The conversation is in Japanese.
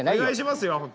お願いしますよ